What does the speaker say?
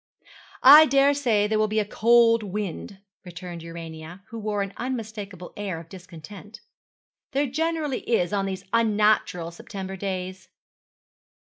'I daresay there will be a cold wind,' returned Urania, who wore an unmistakable air of discontent. 'There generally is on these unnatural September days.'